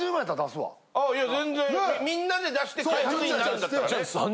ああいや全然みんなで出して開発費になるんだったらね。